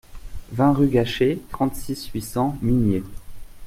vingt rue Gachet, trente-six, huit cents, Migné